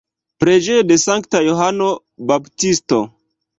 Preĝejo de Sankta Johano Baptisto.